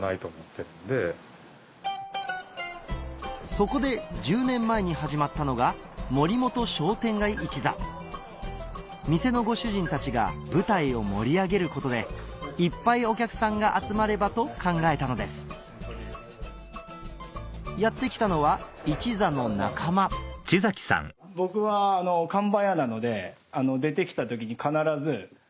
そこで１０年前に始まったのが森本商店街一座店のご主人たちが舞台を盛り上げることでいっぱいお客さんが集まればと考えたのですやってきたのは一座の仲間出てきた時に必ず。